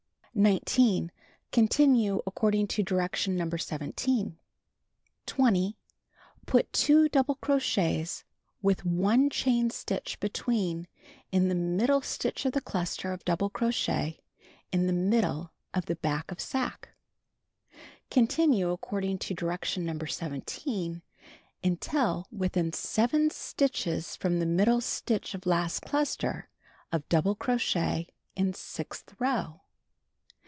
19. Contiime according to direction No. 17. 20. Put 2 double crochets, with 1 chain stitch between, in the middle stitch of the cluster of double crochet in the middle of the back of sacque. Continue according to direction No. 17, until within 7 stitches from middle stitch of last cluster of double crochet in sixth row.